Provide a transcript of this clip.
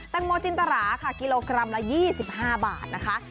งโมจินตราค่ะกิโลกรัมละ๒๕บาทนะคะ